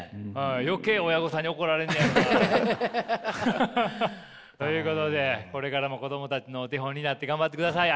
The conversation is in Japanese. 余計親御さんに怒られんねやろなあ。ということでこれからも子供たちのお手本になって頑張ってください。